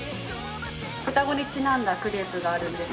双子にちなんだクレープがあるんです。